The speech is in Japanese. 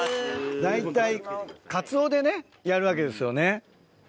大体カツオでねやるわけですよね。